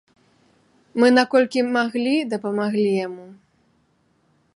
Мы наколькі маглі дапамаглі яму.